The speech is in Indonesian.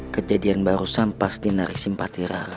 kejadian barusan pasti narik simpati rara